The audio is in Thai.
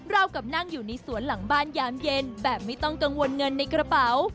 เรากลับนั่งอยู่ในสวนหลังบ้านยามเย็นแบบไม่ต้องกังวลเงินในกระเป๋า